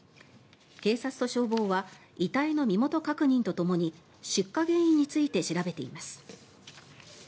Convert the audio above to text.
警察と消防は遺体の身元確認とともに出火原因について調べています。